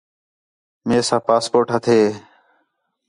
میساں پاسپورٹ ہتھے